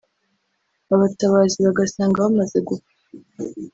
abatabazi bagasanga bamaze gupfa